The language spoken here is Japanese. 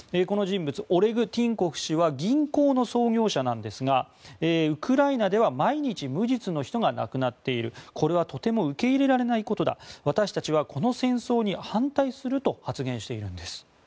この人物オレグ・ティンコフ氏は銀行の創業者なんですがウクライナでは毎日無実の人が亡くなっているこれはとても受け入れられないことだ私たちはこの戦争に反対すると発言しているんです。